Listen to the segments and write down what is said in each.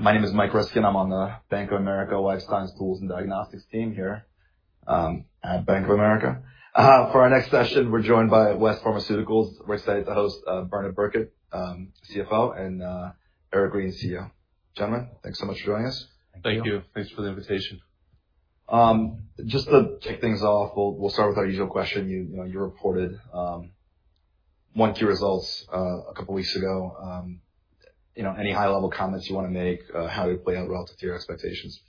My name is Mike Ryskin. I'm on the Bank of America Life Science Tools and Diagnostics team here at Bank of America. For our next session, we're joined by West Pharmaceutical. We're excited to host Bernard Birkett, CFO, and Eric Green, CEO. Gentlemen, thanks so much for joining us. Thank you. Thanks for the invitation. Just to kick things off, we'll start with our usual question. You reported one key result a couple of weeks ago. Any high-level comments you want to make? How did it play out relative to your expectations?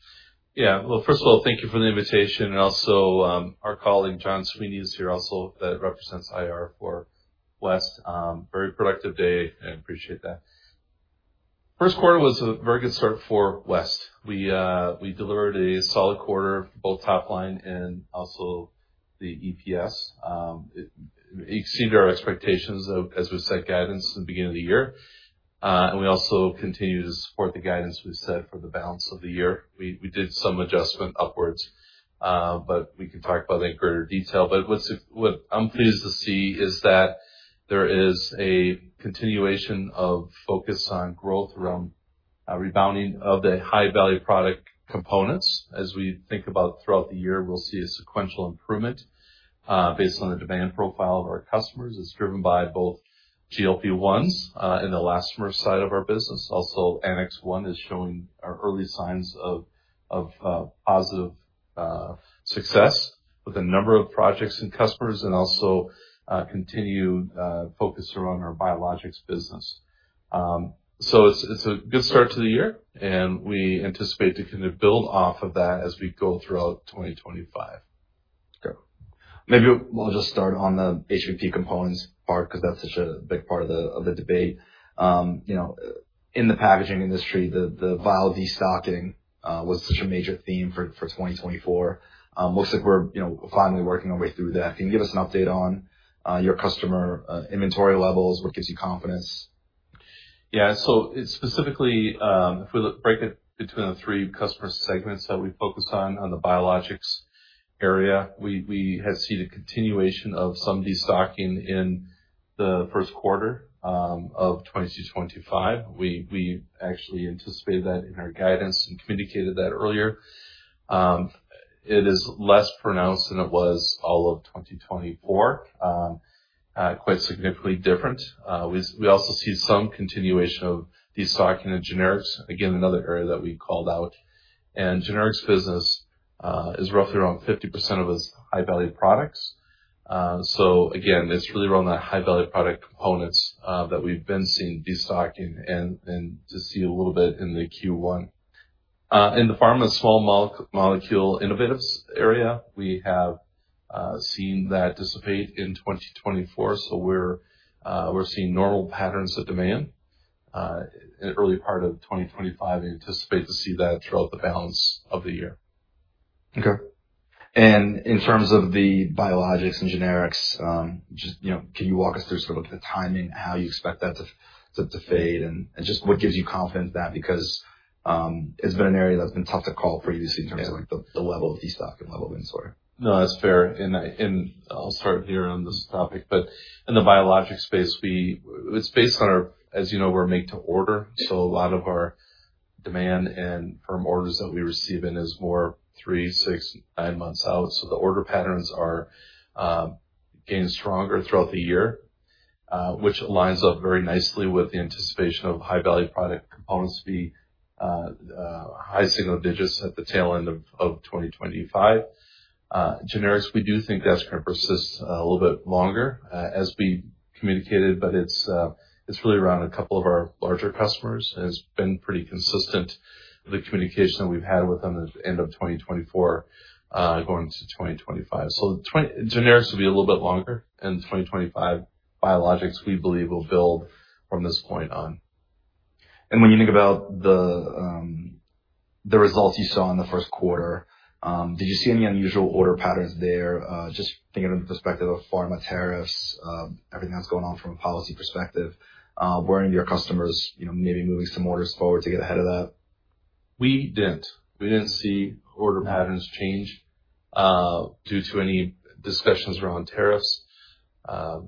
Yeah. Well, first of all, thank you for the invitation. And also, our colleague John Sweeney is here also, that represents IR for West. Very productive day. I appreciate that. First quarter was a very good start for West. We delivered a solid quarter, both top line and also the EPS. It exceeded our expectations, as we've said, guidance in the beginning of the year. And we also continue to support the guidance we've said for the balance of the year. We did some adjustment upwards, but we can talk about that in greater detail. But what I'm pleased to see is that there is a continuation of focus on growth around rebounding of the high-value product components. As we think about throughout the year, we'll see a sequential improvement based on the demand profile of our customers. It's driven by both GLP-1s in the elastomer side of our business. Also, Annex 1 is showing early signs of positive success with a number of projects and customers and also continued focus around our biologics business. So it's a good start to the year, and we anticipate to kind of build off of that as we go throughout 2025. Okay. Maybe we'll just start on the HVP components part because that's such a big part of the debate. In the packaging industry, the vial destocking was such a major theme for 2024. Looks like we're finally working our way through that. Can you give us an update on your customer inventory levels? What gives you confidence? Yeah, so specifically, if we break it between the three customer segments that we focus on, on the biologics area, we have seen a continuation of some destocking in the first quarter of 2025. We actually anticipated that in our guidance and communicated that earlier. It is less pronounced than it was all of 2024, quite significantly different. We also see some continuation of destocking in generics. Again, another area that we called out, and generics business is roughly around 50% of its high-value products. So again, it's really around the high-value product components that we've been seeing destocking and to see a little bit in the Q1. In the pharma small molecule innovatives area, we have seen that dissipate in 2024, so we're seeing normal patterns of demand in the early part of 2025. We anticipate to see that throughout the balance of the year. Okay, and in terms of the biologics and generics, can you walk us through sort of the timing, how you expect that to fade, and just what gives you confidence in that? Because it's been an area that's been tough to call previously in terms of the level of destocking, level of inventory. No, that's fair, and I'll start here on this topic, but in the biologics space, it's based on our, as you know, we're a make-to-order, so a lot of our demand and firm orders that we receive in is more three, six, nine months out, so the order patterns are getting stronger throughout the year, which aligns up very nicely with the anticipation of high-value product components to be high single digits at the tail end of 2025. Generics, we do think that's going to persist a little bit longer, as we communicated, but it's really around a couple of our larger customers. It's been pretty consistent with the communication that we've had with them at the end of 2024 going to 2025, so generics will be a little bit longer, and 2025 biologics, we believe, will build from this point on. When you think about the results you saw in the first quarter, did you see any unusual order patterns there, just thinking in the perspective of pharma tariffs, everything that's going on from a policy perspective? Were your customers maybe moving some orders forward to get ahead of that? We didn't. We didn't see order patterns change due to any discussions around tariffs. The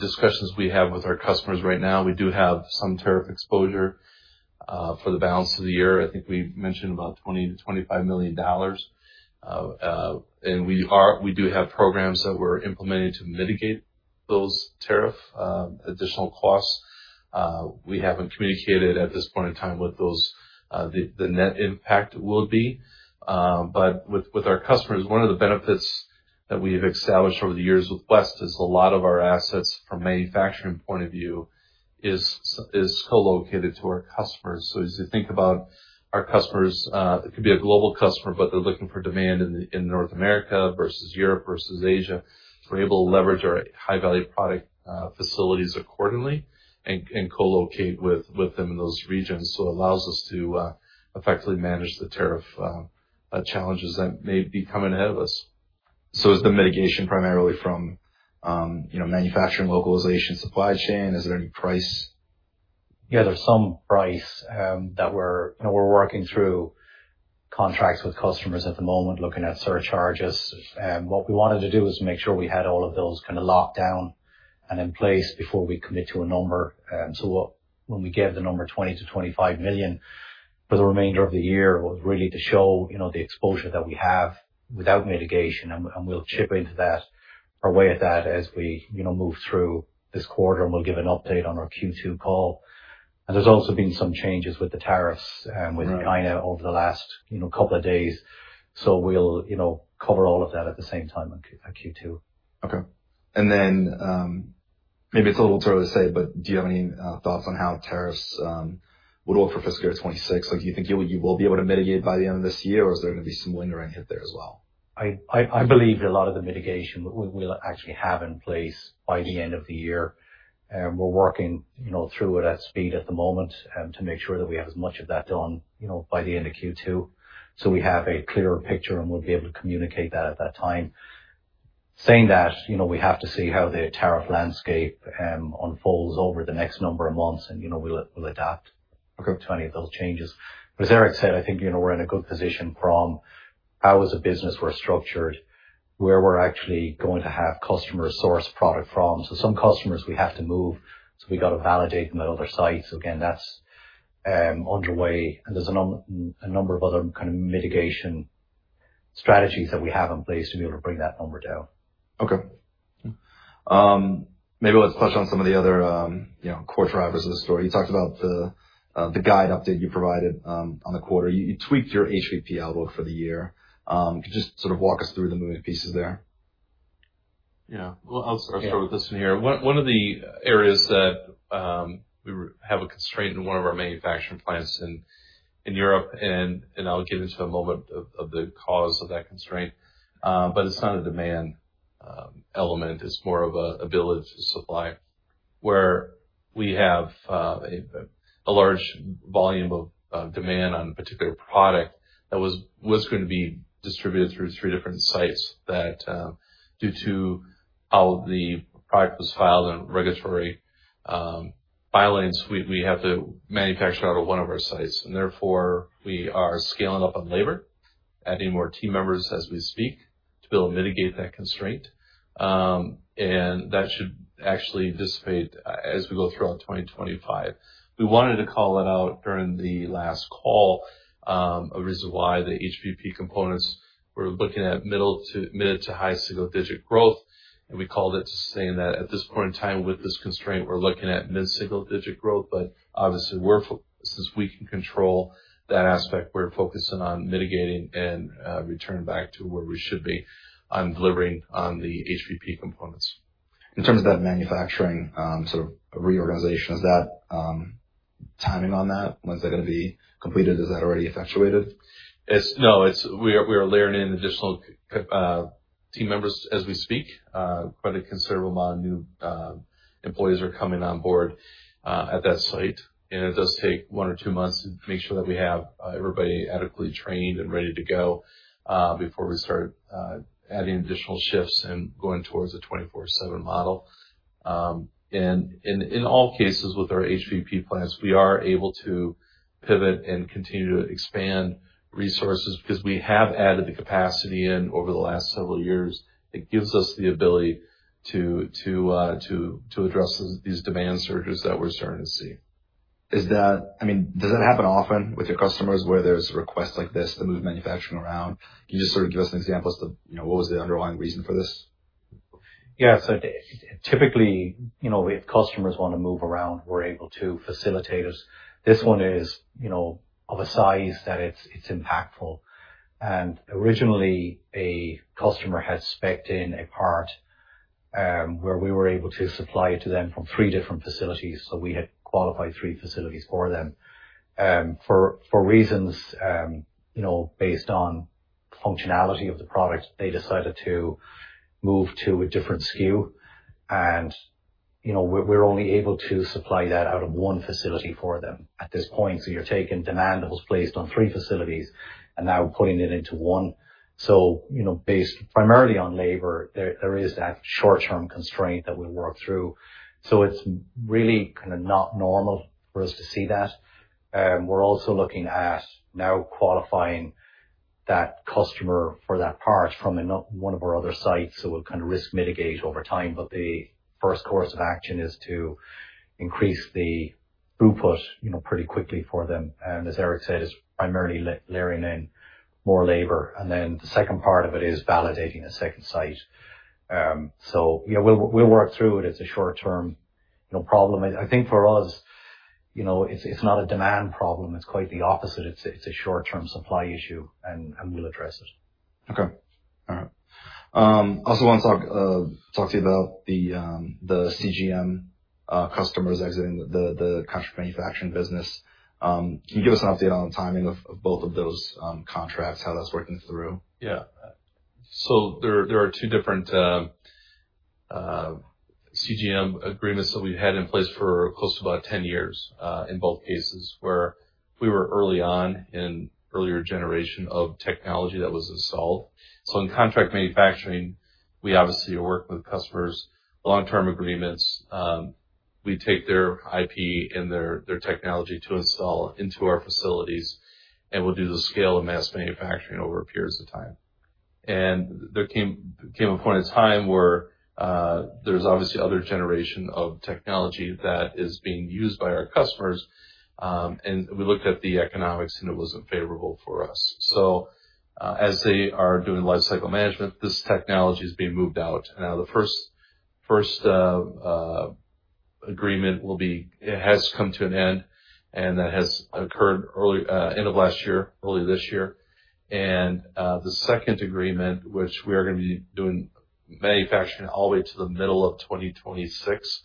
discussions we have with our customers right now, we do have some tariff exposure for the balance of the year. I think we mentioned about $20 million-$25 million. And we do have programs that were implemented to mitigate those tariff additional costs. We haven't communicated at this point in time what the net impact will be. But with our customers, one of the benefits that we have established over the years with West is a lot of our assets from a manufacturing point of view is co-located to our customers. So as you think about our customers, it could be a global customer, but they're looking for demand in North America versus Europe versus Asia. We're able to leverage our high-value product facilities accordingly and co-locate with them in those regions. So it allows us to effectively manage the tariff challenges that may be coming ahead of us. So is the mitigation primarily from manufacturing localization, supply chain? Is there any price? Yeah, there's some price that we're working through contracts with customers at the moment, looking at surcharges. What we wanted to do was make sure we had all of those kind of locked down and in place before we commit to a number. So when we gave the number $20 million-$25 million for the remainder of the year, it was really to show the exposure that we have without mitigation. And we'll chip away at that as we move through this quarter, and we'll give an update on our Q2 call. And there's also been some changes with the tariffs with China over the last couple of days. So we'll cover all of that at the same time at Q2. Okay. And then maybe it's a little early to say, but do you have any thoughts on how tariffs would work for fiscal year 2026? Do you think you will be able to mitigate by the end of this year, or is there going to be some lingering hit there as well? I believe a lot of the mitigation we'll actually have in place by the end of the year. We're working through it at speed at the moment to make sure that we have as much of that done by the end of Q2. So we have a clearer picture, and we'll be able to communicate that at that time. Saying that, we have to see how the tariff landscape unfolds over the next number of months, and we'll adapt to any of those changes. But as Eric said, I think we're in a good position from how as a business we're structured, where we're actually going to have customers source product from. So some customers we have to move. So we got to validate them at other sites. Again, that's underway. There's a number of other kind of mitigation strategies that we have in place to be able to bring that number down. Okay. Maybe let's touch on some of the other core drivers of the story. You talked about the guide update you provided on the quarter. You tweaked your HVP outlook for the year. Could you just sort of walk us through the moving pieces there? Yeah. Well, I'll start with this one here. One of the areas that we have a constraint in one of our manufacturing plants in Europe, and I'll get into in a moment of the cause of that constraint, but it's not a demand element. It's more of a vial supply where we have a large volume of demand on a particular product that was going to be distributed through three different sites that, due to how the product was filed in regulatory filings, we have to manufacture out of one of our sites. And therefore, we are scaling up on labor, adding more team members as we speak to be able to mitigate that constraint. And that should actually dissipate as we go throughout 2025. We wanted to call it out during the last call. The reason why the HVP components were looking at mid to high single digit growth. And we called it to saying that at this point in time, with this constraint, we're looking at mid single digit growth. But obviously, since we can control that aspect, we're focusing on mitigating and return back to where we should be on delivering on the HVP components. In terms of that manufacturing sort of reorganization, is that timing on that? When is that going to be completed? Is that already effectuated? No, we are layering in additional team members as we speak. Quite a considerable amount of new employees are coming on board at that site. And it does take one or two months to make sure that we have everybody adequately trained and ready to go before we start adding additional shifts and going towards a 24/7 model. And in all cases with our HVP plants, we are able to pivot and continue to expand resources because we have added the capacity in over the last several years. It gives us the ability to address these demand surges that we're starting to see. I mean, does that happen often with your customers where there's a request like this to move manufacturing around? Can you just sort of give us an example as to what was the underlying reason for this? Yeah. So typically, if customers want to move around, we're able to facilitate it. This one is of a size that it's impactful, and originally, a customer had specced in a part where we were able to supply it to them from three different facilities. So we had qualified three facilities for them. For reasons based on functionality of the product, they decided to move to a different SKU, and we're only able to supply that out of one facility for them at this point. So you're taking demand that was placed on three facilities and now putting it into one. So based primarily on labor, there is that short-term constraint that we'll work through. So it's really kind of not normal for us to see that. We're also looking at now qualifying that customer for that part from one of our other sites. So we'll kind of risk mitigate over time. But the first course of action is to increase the throughput pretty quickly for them. And as Eric said, it's primarily layering in more labor. And then the second part of it is validating a second site. So yeah, we'll work through it. It's a short-term problem. I think for us, it's not a demand problem. It's quite the opposite. It's a short-term supply issue, and we'll address it. Okay. All right. Also, I want to talk to you about the CGM customers exiting the contract manufacturing business. Can you give us an update on the timing of both of those contracts, how that's working through? Yeah. So there are two different CGM agreements that we've had in place for close to about 10 years in both cases where we were early on in earlier generation of technology that was installed, so in contract manufacturing, we obviously are working with customers, long-term agreements. We take their IP and their technology to install into our facilities, and we'll do the scale and mass manufacturing over periods of time, and there came a point of time where there's obviously other generation of technology that is being used by our customers, and we looked at the economics, and it wasn't favorable for us, so as they are doing life cycle management, this technology is being moved out, and now the first agreement has come to an end, and that has occurred end of last year, early this year. And the second agreement, which we are going to be doing manufacturing all the way to the middle of 2026.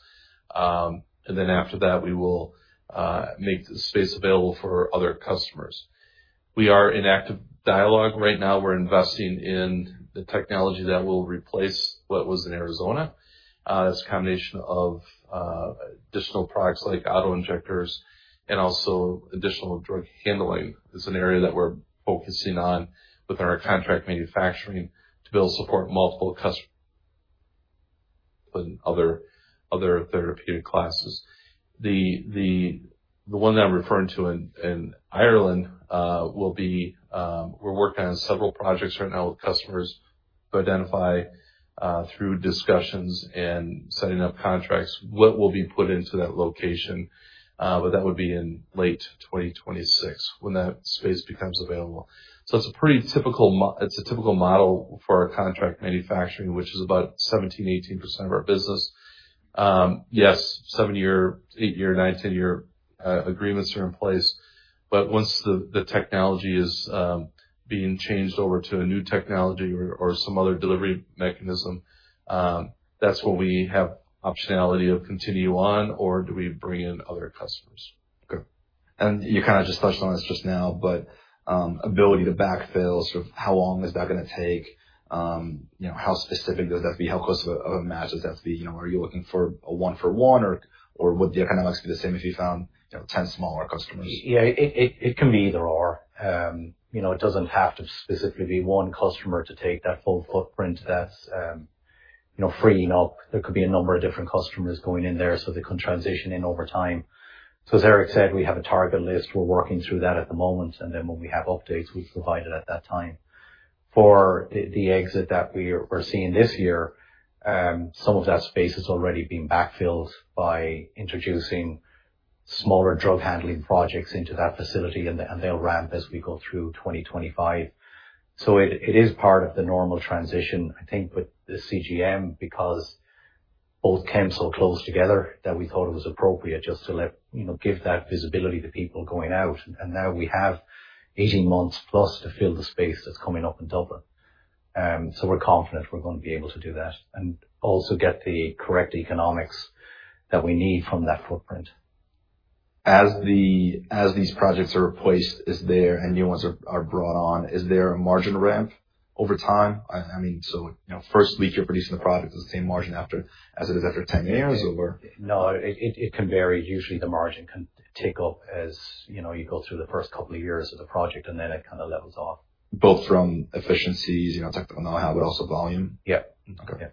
And then after that, we will make the space available for other customers. We are in active dialogue right now. We're investing in the technology that will replace what was in Arizona. That's a combination of additional products like auto-injectors and also additional drug handling. It's an area that we're focusing on with our contract manufacturing to be able to support multiple customers and other therapeutic classes. The one that I'm referring to in Ireland will be. We're working on several projects right now with customers to identify through discussions and setting up contracts what will be put into that location. But that would be in late 2026 when that space becomes available. It's a pretty typical model for our contract manufacturing, which is about 17%-18% of our business. Yes, seven-year, eight-year, nine, ten-year agreements are in place. Once the technology is being changed over to a new technology or some other delivery mechanism, that's when we have optionality of continue on, or do we bring in other customers? Okay, and you kind of just touched on this just now, but ability to backfill, sort of how long is that going to take? How specific does that have to be? How close of a match does that have to be? Are you looking for a one-for-one, or would the economics be the same if you found 10 smaller customers? Yeah, it can be either or. It doesn't have to specifically be one customer to take that full footprint that's freeing up. There could be a number of different customers going in there so they can transition in over time. So as Eric said, we have a target list. We're working through that at the moment, and then when we have updates, we provide it at that time. For the exit that we're seeing this year, some of that space has already been backfilled by introducing smaller drug handling projects into that facility, and they'll ramp as we go through 2025, so it is part of the normal transition, I think, with the CGM because both plants are close together that we thought it was appropriate just to give that visibility to people going out. And now we have 18 months plus to fill the space that's coming up in Dublin. So we're confident we're going to be able to do that and also get the correct economics that we need from that footprint. As these projects are placed, and new ones are brought on, is there a margin ramp over time? I mean, so first week you're producing the product is the same margin as it is after 10 years or? No, it can vary. Usually, the margin can tick up as you go through the first couple of years of the project, and then it kind of levels off. Both from efficiencies, technical know-how, but also volume? Yeah. Okay. All right.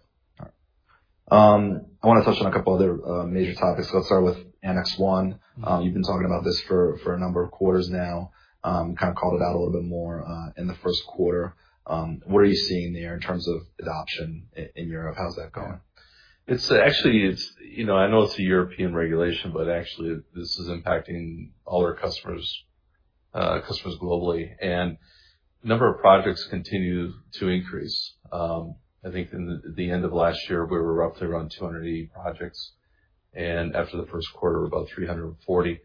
I want to touch on a couple of other major topics. Let's start with Annex 1. You've been talking about this for a number of quarters now, kind of called it out a little bit more in the first quarter. What are you seeing there in terms of adoption in Europe? How's that going? Actually, I know it's a European regulation, but actually, this is impacting all our customers globally. And the number of projects continues to increase. I think at the end of last year, we were roughly around 280 projects. And after the first quarter, we're about 340.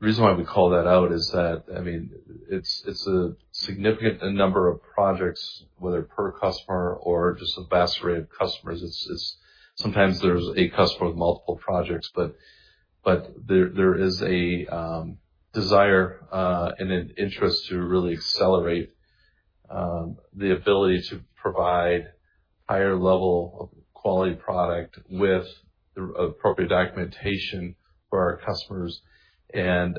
The reason why we call that out is that, I mean, it's a significant number of projects, whether per customer or just a vast array of customers. Sometimes there's a customer with multiple projects, but there is a desire and an interest to really accelerate the ability to provide higher level of quality product with appropriate documentation for our customers. And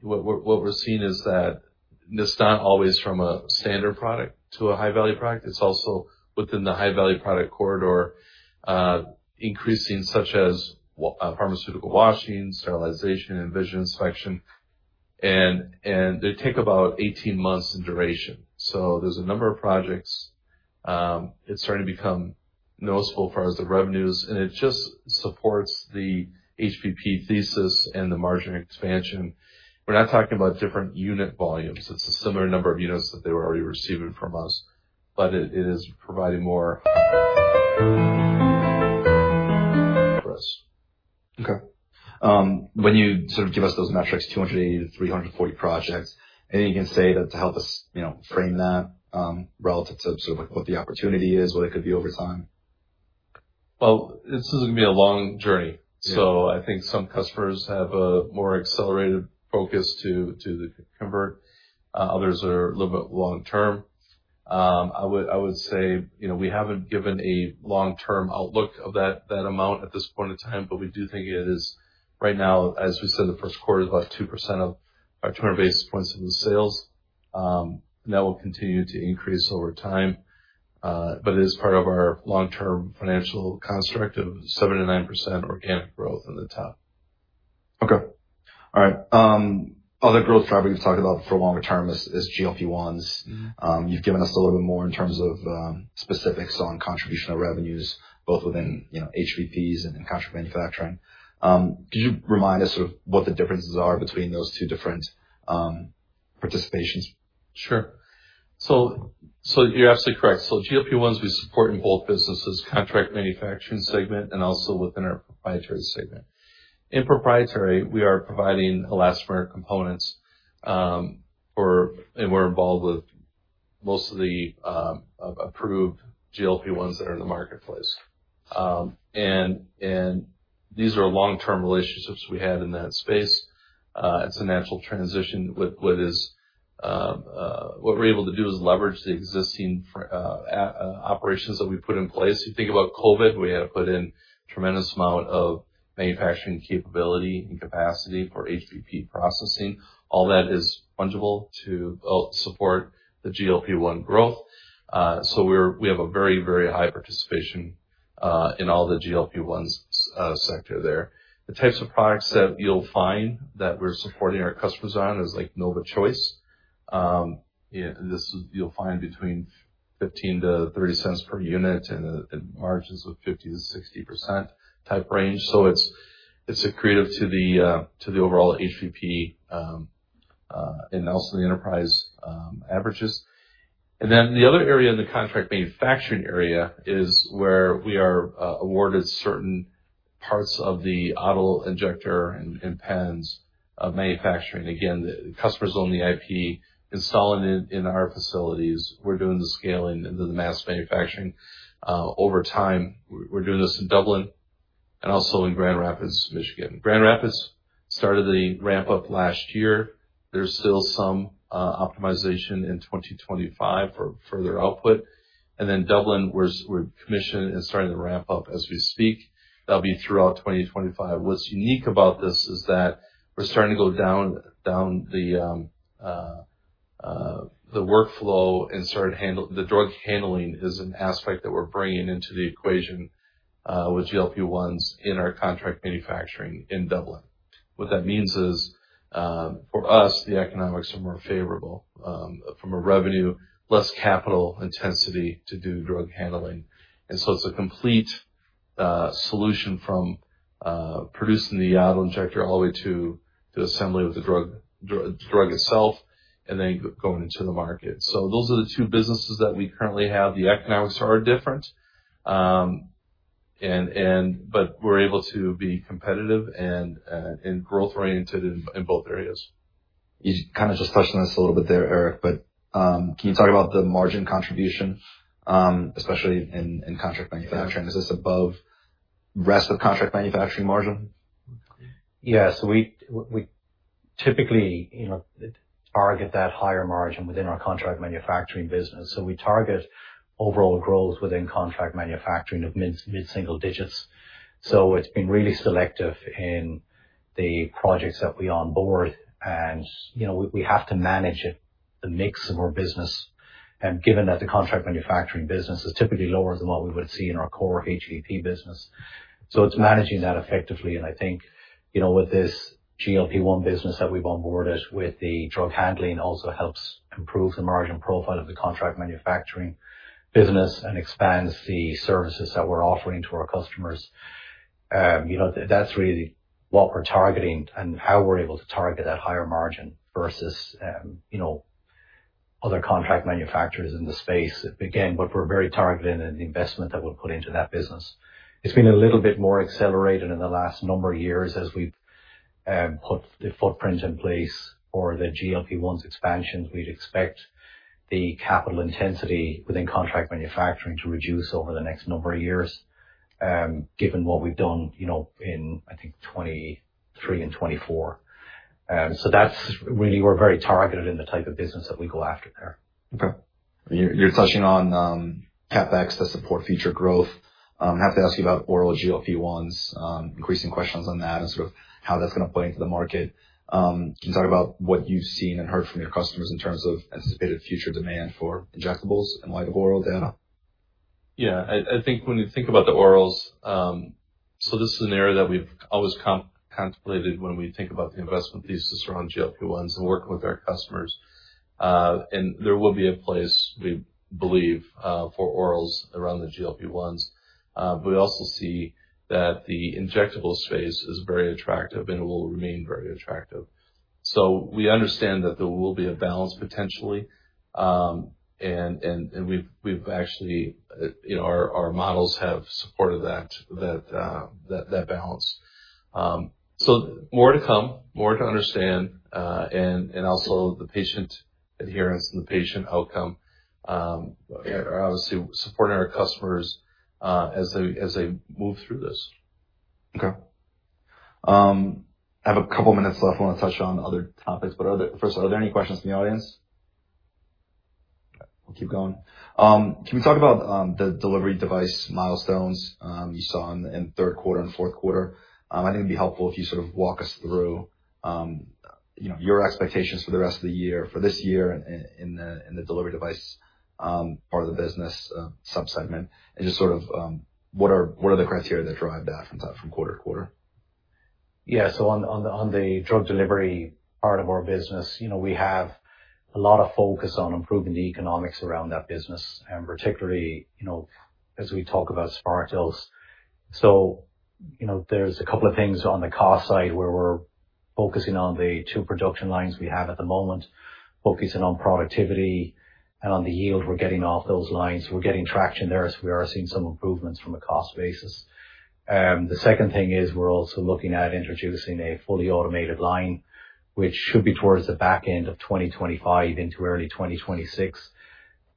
what we're seeing is that it's not always from a standard product to a high-value product. It's also within the high-value product corridor, increasing such as pharmaceutical washing, sterilization, and vision inspection. And they take about 18 months in duration. So there's a number of projects. It's starting to become noticeable as far as the revenues. And it just supports the HVP thesis and the margin expansion. We're not talking about different unit volumes. It's a similar number of units that they were already receiving from us, but it is providing more for us. Okay. When you sort of give us those metrics, 280-340 projects, anything you can say to help us frame that relative to sort of what the opportunity is, what it could be over time? This is going to be a long journey. I think some customers have a more accelerated focus to convert. Others are a little bit long-term. I would say we haven't given a long-term outlook of that amount at this point in time, but we do think it is right now, as we said, the first quarter is about 2% of our 200 basis points of the sales. That will continue to increase over time. It is part of our long-term financial construct of 7%-9% organic growth in the top. Okay. All right. Other growth drivers we've talked about for longer term is GLP-1s. You've given us a little bit more in terms of specifics on contribution of revenues, both within HVPs and contract manufacturing. Could you remind us sort of what the differences are between those two different participations? Sure. So you're absolutely correct. So GLP-1s, we support in both businesses, contract manufacturing segment and also within our proprietary segment. In proprietary, we are providing elastomeric components and we're involved with most of the approved GLP-1s that are in the marketplace. And these are long-term relationships we had in that space. It's a natural transition. What we're able to do is leverage the existing operations that we put in place. You think about COVID, we had to put in a tremendous amount of manufacturing capability and capacity for HVP processing. All that is fungible to support the GLP-1 growth. So we have a very, very high participation in all the GLP-1s sector there. The types of products that you'll find that we're supporting our customers on is like NovaChoice. You'll find between $0.15-$0.30 per unit and margins of 50%-60% type range. So it's accretive to the overall HVP and also the enterprise averages. And then the other area in the contract manufacturing area is where we are awarded certain parts of the auto-injector and pens of manufacturing. Again, the customers own the IP, installing it in our facilities. We're doing the scaling into the mass manufacturing. Over time, we're doing this in Dublin and also in Grand Rapids, Michigan. Grand Rapids started the ramp-up last year. There's still some optimization in 2025 for further output. And then Dublin, we're commissioned and starting to ramp up as we speak. That'll be throughout 2025. What's unique about this is that we're starting to go down the workflow and started handling the drug handling is an aspect that we're bringing into the equation with GLP-1s in our contract manufacturing in Dublin. What that means is for us, the economics are more favorable from a revenue, less capital intensity to do drug handling. And so it's a complete solution from producing the auto-injector all the way to assembly of the drug itself and then going into the market. So those are the two businesses that we currently have. The economics are different, but we're able to be competitive and growth-oriented in both areas. You kind of just touched on this a little bit there, Eric, but can you talk about the margin contribution, especially in contract manufacturing? Is this above the rest of contract manufacturing margin? Yeah. So we typically target that higher margin within our contract manufacturing business. So we target overall growth within contract manufacturing of mid-single digits. So it's been really selective in the projects that we onboard. And we have to manage the mix of our business, given that the contract manufacturing business is typically lower than what we would see in our core HVP business. So it's managing that effectively. And I think with this GLP-1 business that we've onboarded with the drug handling also helps improve the margin profile of the contract manufacturing business and expands the services that we're offering to our customers. That's really what we're targeting and how we're able to target that higher margin versus other contract manufacturers in the space. Again, but we're very targeted in the investment that we'll put into that business. It's been a little bit more accelerated in the last number of years as we've put the footprint in place for the GLP-1s expansion. We'd expect the capital intensity within contract manufacturing to reduce over the next number of years, given what we've done in, I think, 2023 and 2024. So that's really we're very targeted in the type of business that we go after there. Okay. You're touching on CapEx to support future growth. I have to ask you about oral GLP-1s, increasing questions on that and sort of how that's going to play into the market. Can you talk about what you've seen and heard from your customers in terms of anticipated future demand for injectables in light of oral data? Yeah. I think when you think about the orals, so this is an area that we've always contemplated when we think about the investment thesis around GLP-1s and working with our customers. And there will be a place, we believe, for orals around the GLP-1s. But we also see that the injectable space is very attractive and will remain very attractive. So we understand that there will be a balance potentially. And we've actually, our models have supported that balance. So more to come, more to understand, and also the patient adherence and the patient outcome are obviously supporting our customers as they move through this. Okay. I have a couple of minutes left. I want to touch on other topics. But first, are there any questions from the audience? Okay. We'll keep going. Can we talk about the delivery device milestones you saw in third quarter and fourth quarter? I think it'd be helpful if you sort of walk us through your expectations for the rest of the year, for this year in the delivery device part of the business subsegment, and just sort of what are the criteria that drive that from quarter to quarter? Yeah. So on the drug delivery part of our business, we have a lot of focus on improving the economics around that business, and particularly as we talk about SmartDose. So there's a couple of things on the cost side where we're focusing on the two production lines we have at the moment, focusing on productivity and on the yield we're getting off those lines. We're getting traction there as we are seeing some improvements from a cost basis. The second thing is we're also looking at introducing a fully automated line, which should be towards the back end of 2025 into early 2026.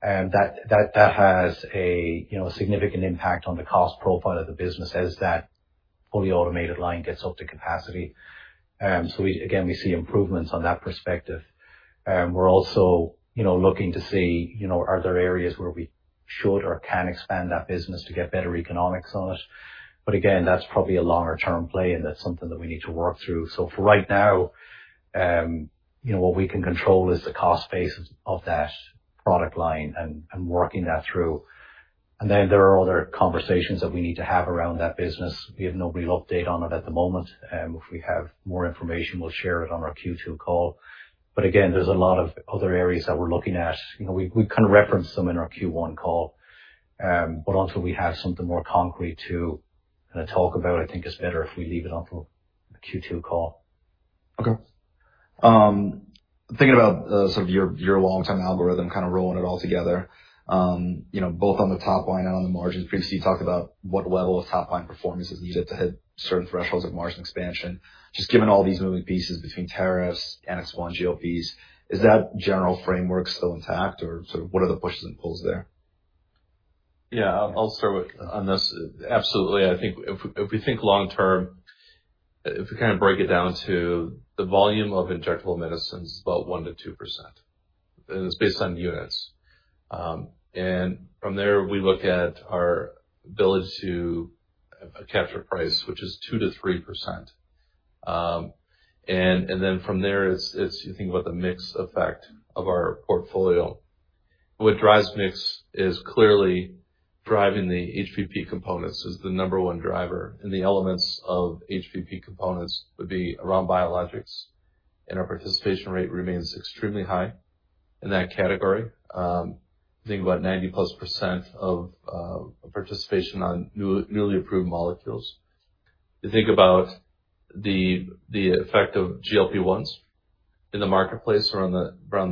That has a significant impact on the cost profile of the business as that fully automated line gets up to capacity. So again, we see improvements on that perspective. We're also looking to see are there areas where we should or can expand that business to get better economics on it. But again, that's probably a longer-term play, and that's something that we need to work through. So for right now, what we can control is the cost base of that product line and working that through. And then there are other conversations that we need to have around that business. We have no real update on it at the moment. If we have more information, we'll share it on our Q2 call. But again, there's a lot of other areas that we're looking at. We kind of referenced some in our Q1 call. But until we have something more concrete to kind of talk about, I think it's better if we leave it until the Q2 call. Okay. Thinking about sort of your long-term algorithm, kind of rolling it all together, both on the top line and on the margins, previously you talked about what level of top line performance is needed to hit certain thresholds of margin expansion. Just given all these moving pieces between tariffs, Annex 1 GLPs, is that general framework still intact, or sort of what are the pushes and pulls there? Yeah. I'll start with on this. Absolutely. I think if we think long-term, if we kind of break it down to the volume of injectable medicines, about 1%-2%. And it's based on units. And from there, we look at our ability to capture price, which is 2%-3%. And then from there, you think about the mix effect of our portfolio. What drives mix is clearly driving the HVP components is the number one driver. And the elements of HVP components would be around biologics, and our participation rate remains extremely high in that category. Think about +90% of participation on newly approved molecules. You think about the effect of GLP-1s in the marketplace around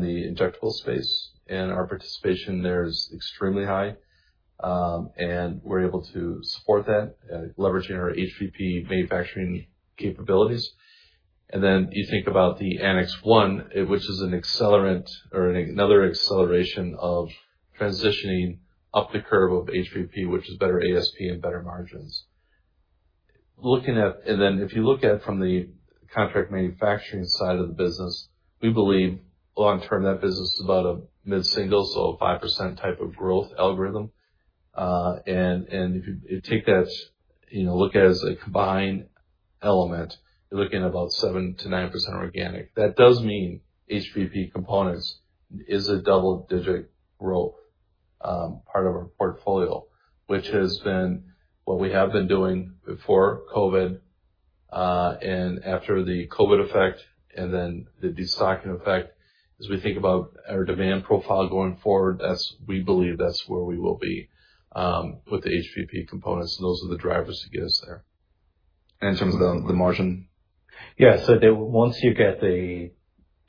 the injectable space, and our participation there is extremely high. And we're able to support that, leveraging our HVP manufacturing capabilities. And then you think about the Annex 1, which is an accelerant or another acceleration of transitioning up the curve of HVP, which is better ASP and better margins. And then if you look at from the contract manufacturing side of the business, we believe long-term that business is about a mid-single, so a 5% type of growth algorithm. And if you take that, look at it as a combined element, you're looking at about 7%-9% organic. That does mean HVP components is a double-digit growth part of our portfolio, which has been what we have been doing before COVID and after the COVID effect and then the destocking effect. As we think about our demand profile going forward, we believe that's where we will be with the HVP components. And those are the drivers to get us there. In terms of the margin? Yeah. So once you get the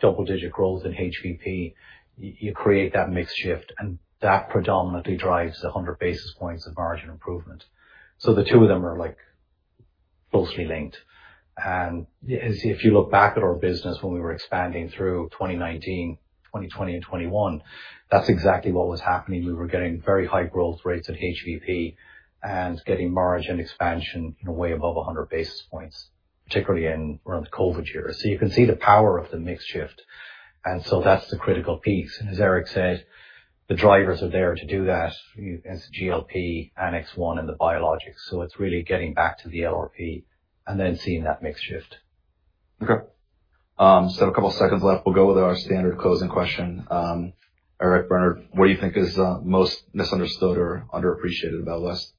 double-digit growth in HVP, you create that mix shift, and that predominantly drives the 100 basis points of margin improvement. So the two of them are closely linked. And if you look back at our business when we were expanding through 2019, 2020, and 2021, that's exactly what was happening. We were getting very high growth rates at HVP and getting margin expansion way above 100 basis points, particularly around the COVID year. So you can see the power of the mix shift. And so that's the critical piece. And as Eric said, the drivers are there to do that, GLP, Annex 1, and the biologics. So it's really getting back to the LRP and then seeing that mix shift. Okay. So a couple of seconds left. We'll go with our standard closing question. Eric, Bernard, what do you think is most misunderstood or underappreciated about West?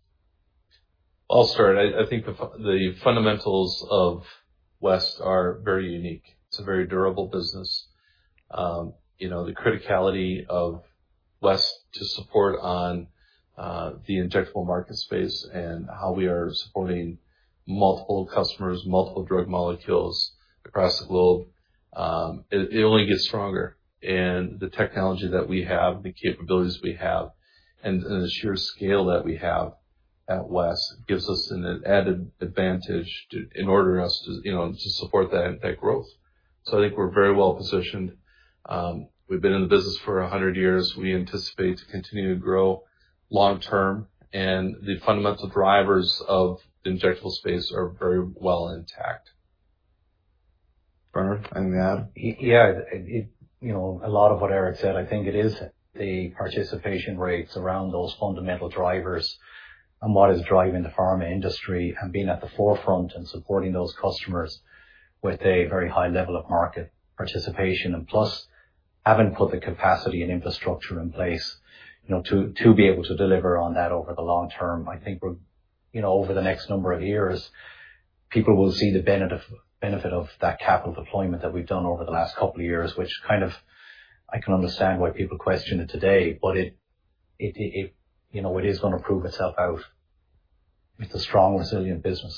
I'll start. I think the fundamentals of West are very unique. It's a very durable business. The criticality of West to support on the injectable market space and how we are supporting multiple customers, multiple drug molecules across the globe, it only gets stronger. And the technology that we have, the capabilities we have, and the sheer scale that we have at West gives us an added advantage in order for us to support that growth. So I think we're very well positioned. We've been in the business for 100 years. We anticipate to continue to grow long-term. And the fundamental drivers of the injectable space are very well intact. Bernard, anything to add? Yeah. A lot of what Eric said, I think it is the participation rates around those fundamental drivers and what is driving the pharma industry and being at the forefront and supporting those customers with a very high level of market participation, and plus, having put the capacity and infrastructure in place to be able to deliver on that over the long term, I think over the next number of years, people will see the benefit of that capital deployment that we've done over the last couple of years, which, kind of, I can understand why people question it today, but it is going to prove itself out. It's a strong, resilient business.